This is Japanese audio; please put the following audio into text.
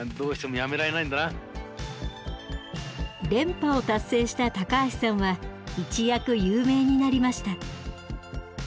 連覇を達成した高橋さんは一躍有名になりました。